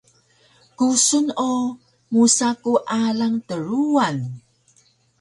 Kusun o musa ku alang Truwan